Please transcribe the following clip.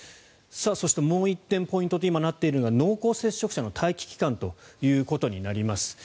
そしてもう１点ポイントと今、なっているのが濃厚接触者の待機期間となります。